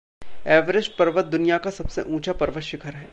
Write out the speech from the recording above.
Everest पर्वत दुनिया का सबसे ऊँचा पर्वत शिखर है।